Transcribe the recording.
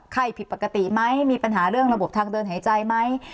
ผิดปกติไหมมีปัญหาเรื่องระบบทางเดินหายใจไหม